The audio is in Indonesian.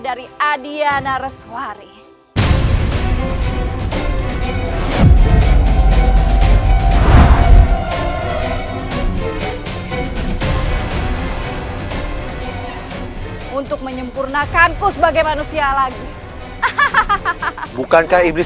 di adhiyana reswari untuk menyempurnakan ku sebagai manusia lagi hahaha bukankah iblis